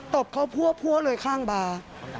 ตบเขาพัวเลยข้างบาร์